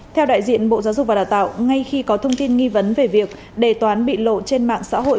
theo đại diện bộ giáo dục và đào tạo ngay khi có thông tin nghi vấn về việc đề toán bị lộ trên mạng xã hội